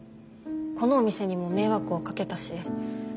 このお店にも迷惑をかけたし。